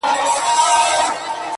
له يوه كال راهيسي،